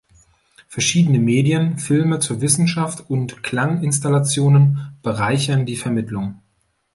Verschiedene Medien, Filme zur Wissenschaft und Klanginstallationen bereichern die Vermittlung.